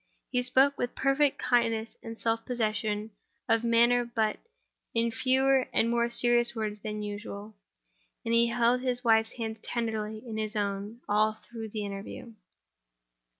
He spoke with perfect kindness and self possession of manner—but in fewer and more serious words than usual; and he held his wife's hand tenderly in his own all through the interview.